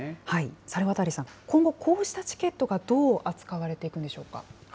猿渡さん、今後、こうしたチケットがどう扱われていくんでしょうか。